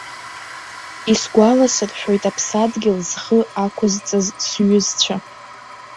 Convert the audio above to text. Исгәаласыршәоит аԥсадгьыл зхы ақәызҵаз сҩызцәа.